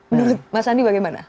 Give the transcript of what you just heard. menurut mas andi bagaimana